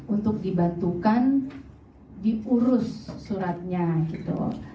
untuk dibantukan diurus suratnya gitu